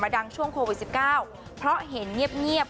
ดังช่วงโควิด๑๙เพราะเห็นเงียบ